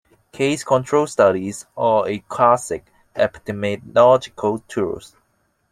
Case control studies are a classical epidemiological tool.